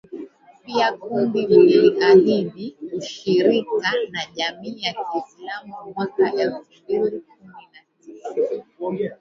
Pia kundi liliahidi ushirika na jamii ya kiislam mwaka elfu mbili kumi na tisa